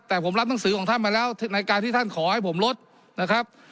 แต่ผมรับหนังสือของท่านมาแล้วในการที่ท่านขอให้ผมลดนะครับ